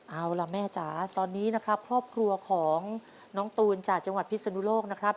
เอาล่ะแม่จ๋าตอนนี้นะครับครอบครัวของน้องตูนจากจังหวัดพิศนุโลกนะครับ